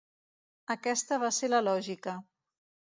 Aquesta va ser la lògica.